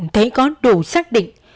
thấy có đủ xác định